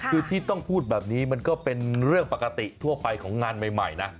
คือที่ต้องพูดแบบนี้มันก็เป็นเรื่องปกติทั่วไปของงานใหม่นะ